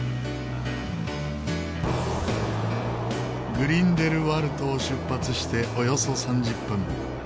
グリンデルワルトを出発しておよそ３０分。